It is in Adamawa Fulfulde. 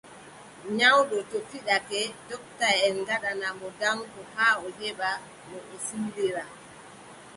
Nyawɗo to fiɗake, ndoptaʼen ngaɗana mo danko haa o heɓa no o sillira.